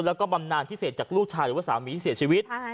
แล้วก็บำนานพิเศษจากลูกชายหรือว่าสามีที่เสียชีวิต